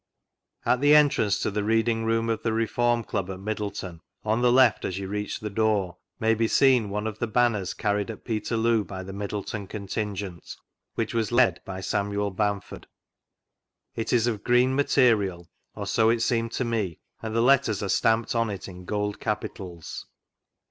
At the entrance to the Reading room of the Refonn Club at Middleton (on the left as you reach the door) may be seen one of the Banners carried ax Peterloo by the Middleton contingent, which was led by Samuel Bamford. It is of green material (or so it seemed to me) and the letters are stamped on it in gold capitals.